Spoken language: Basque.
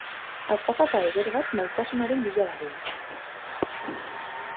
Azafata eder bat maitasunaren bila dabil.